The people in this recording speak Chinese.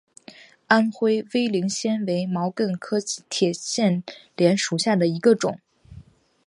安徽威灵仙为毛茛科铁线莲属下的一个种。